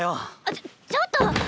ちょちょっと！